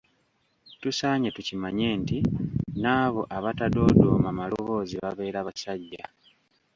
Tusaanye tukimanye nti n'abo abatadoodooma maloboozi babeera basajja.